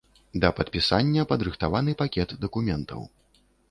Да падпісання падрыхтаваны пакет дакументаў.